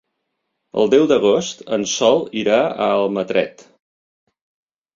El deu d'agost en Sol irà a Almatret.